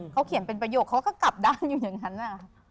เขาเขียนเป็นประโยคเขาก็กลับด้านอยู่อย่างนั้น